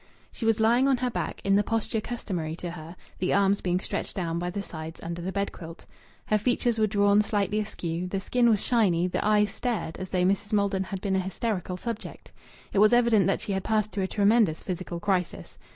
She was lying on her back, in the posture customary to her, the arms being stretched down by the sides under the bed quilt. Her features were drawn slightly askew; the skin was shiny; the eyes stared as though Mrs. Maldon had been a hysterical subject. It was evident that she had passed through a tremendous physical crisis.